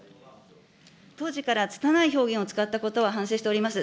当時からつたない表現を使ったことは反省しております。